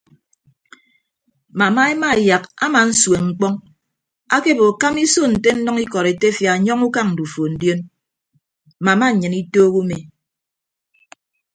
Mama emaeyak ama nsueñ mkpọñ akebo kama iso nte nnʌñ ikọd etefia nyọñ ukañ ndufo ndion mama nnyịn itoho umi.